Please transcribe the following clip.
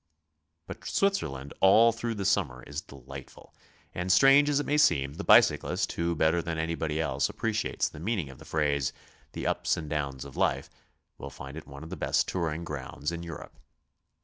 But Switzerland all through the summer is delightful, and strange as it may seem, the bicyclist, who better than anybody else appreciates the meaning of the phrase, 'hhe ups and downs of life," will find it one of 'the best 'touring grounds in Europe.